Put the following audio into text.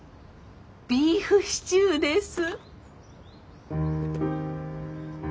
ビーフシチューです。